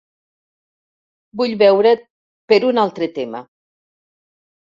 Vull veure't per un altre tema.